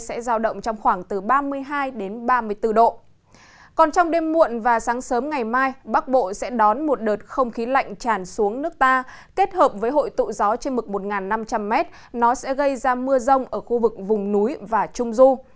kết hợp với hội tụ gió trên mực một năm trăm linh m nó sẽ gây ra mưa rông ở khu vực vùng núi và trung du